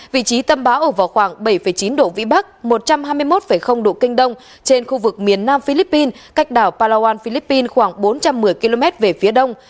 vị trí tâm bão ở vào khoảng bảy chín độ vĩ bắc một trăm hai mươi một độ kinh đông trên khu vực miền nam philippines cách đảo palawan philippines khoảng bốn trăm một mươi km về phía đông